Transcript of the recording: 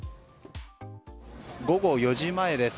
午後４時前です。